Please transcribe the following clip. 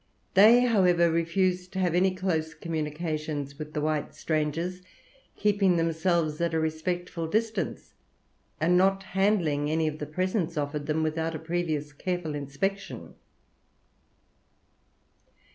They, however, refused to have any close communications with the white strangers, keeping themselves at a respectful distance, and not handling any of the presents offered them without a previous careful inspection.